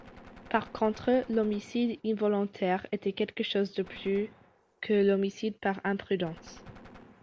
Par contre, l'homicide involontaire était quelque chose de plus que l'homicide par imprudence.